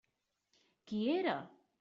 Qui era?